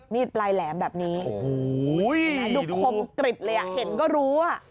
มีดปลายแหลมแบบนี้โอ้โหดูคมกริบเลยอ่ะเห็นก็รู้อ่ะ